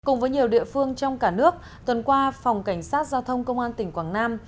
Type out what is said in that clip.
cùng với nhiều địa phương trong cả nước tuần qua phòng cảnh sát giao thông công an tỉnh quảng nam